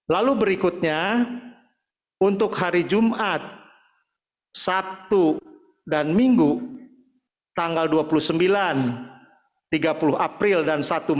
lalu berikutnya untuk hari jumat sabtu dan minggu tanggal dua puluh sembilan tiga puluh april dan satu maret